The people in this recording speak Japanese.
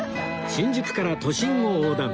新宿から都心を横断